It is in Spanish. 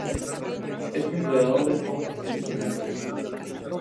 Es un predador de esponjas y ascidias.